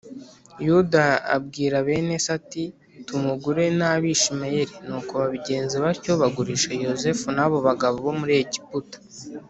Yuda abwira bene se ati tumugure n’ Abishimayeli Nuko babigenza batyo bagurisha Yozefu nabo bagabo bo muri egiputa.